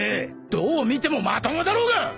どう見てもまともだろうが！